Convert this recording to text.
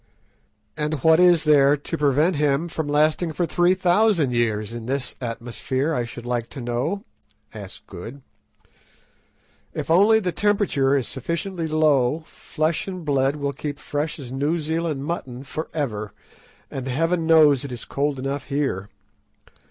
"And what is there to prevent him from lasting for three thousand years in this atmosphere, I should like to know?" asked Good. "If only the temperature is sufficiently low, flesh and blood will keep fresh as New Zealand mutton for ever, and Heaven knows it is cold enough here.